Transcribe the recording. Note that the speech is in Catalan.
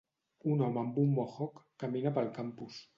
Un home amb un Mohawk camina pel campus.